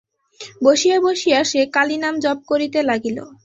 বসিয়া বসিয়া সে কালীনাম জপ করিতে লাগিল।